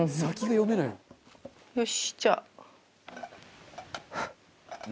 よし、じゃあ。